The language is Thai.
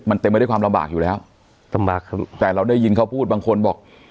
มันเต็มไปด้วยความลำบากอยู่แล้วลำบากครับแต่เราได้ยินเขาพูดบางคนบอก